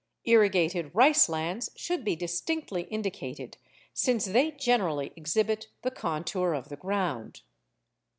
Irrigated rice lands should be distinctly indicated, since they generally exhibit the contour of the ground.